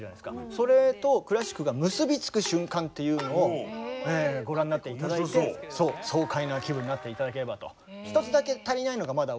それとクラシックが結び付く瞬間っていうのをご覧になって頂いて爽快な気分になって頂ければと。